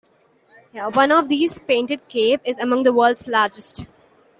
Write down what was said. One of these, Painted Cave, is among the world's largest.